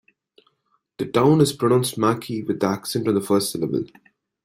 The town is pronounced "Mackie" with the accent on the first syllable.